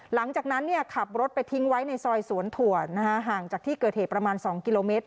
หลังจากนั้นขับรถไปทิ้งไว้ในซอยสวนถั่วห่างจากที่เกิดเหตุประมาณ๒กิโลเมตร